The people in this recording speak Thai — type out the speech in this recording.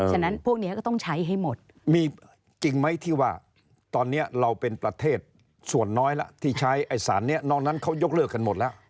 ฉะนั้นพวกนี้ก็ต้องใช้ให้หมด